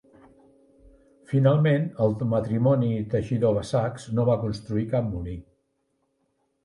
Finalment, el matrimoni Teixidor-Bassacs no va construir cap molí.